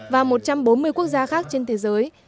và một trăm bốn mươi quốc gia khác trên thế giới